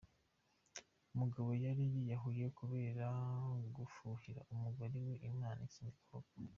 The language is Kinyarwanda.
Umugabo Yari yiyahuye kubera gufuhira umugore we, Imana ikinga akaboko